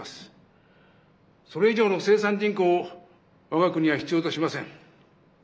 それ以上の生産人口を我が国は必要としません。